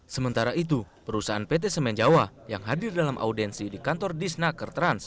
sementara itu perusahaan pt semen jawa yang hadir dalam audiensi di kantor disnaker trans